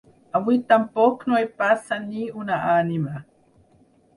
Avui tampoc no hi passa ni una ànima.